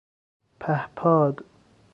پهپاد